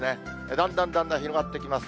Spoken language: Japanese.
だんだんだんだん広がってきます。